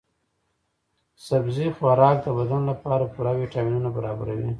سبزي خوراک د بدن لپاره پوره ويټامینونه برابروي.